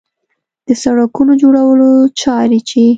د سړکونو جوړولو چارې چې